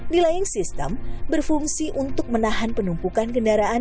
delaying system berfungsi untuk menahan penumpukan kendaraan